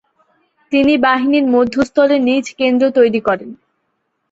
তিনি বাহিনীর মধ্যস্থলে নিজ কেন্দ্র তৈরী করেন।